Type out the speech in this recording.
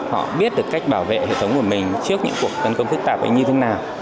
họ biết được cách bảo vệ hệ thống của mình trước những cuộc tấn công phức tạp như thế nào